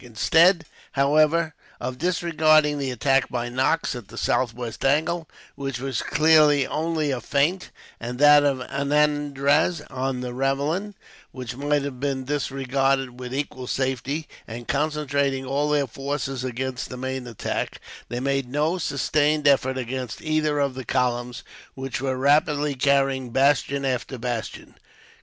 Instead, however, of disregarding the attack by Knox at the southwest angle, which was clearly only a feint; and that of Anandraz on the ravelin, which might have been disregarded with equal safety; and concentrating all their forces against the main attack, they made no sustained effort against either of the columns, which were rapidly carrying bastion after bastion.